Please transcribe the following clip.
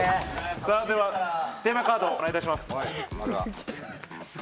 さぁではテーマカードお願いいたします。